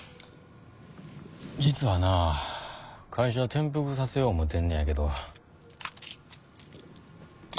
実はな会社を転覆させよう思うてるんやけど。